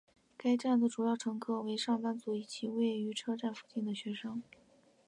该站的主要乘客为上班族以及位于车站附近的的学生。